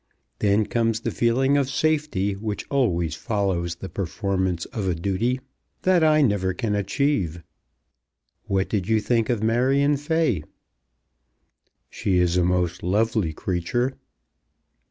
Then comes the feeling of safety which always follows the performance of a duty. That I never can achieve. What did you think of Marion Fay?" "She is a most lovely creature."